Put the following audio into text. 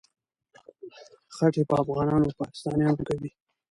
خټې په افغانانو او پاکستانیانو کوي.